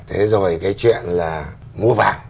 thế rồi cái chuyện là mua vàng